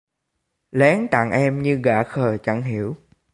Lén tặng em như gã khờ chẳng hiểu